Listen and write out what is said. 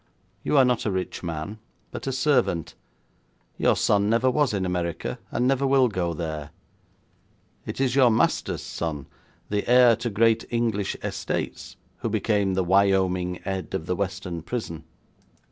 You are not a rich man, but a servant. Your son never was in America, and never will go there. It is your master's son, the heir to great English estates, who became the Wyoming Ed of the Western prison.